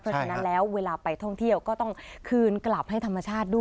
เพราะฉะนั้นแล้วเวลาไปท่องเที่ยวก็ต้องคืนกลับให้ธรรมชาติด้วย